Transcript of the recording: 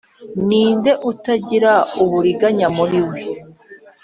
ninde utagira uburiganya muri we